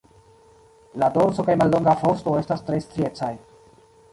La dorso kaj mallonga vosto estas tre striecaj.